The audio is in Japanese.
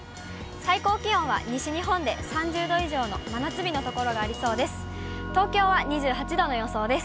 最高気温は西日本で３０度以上の真夏日の所がありそうです。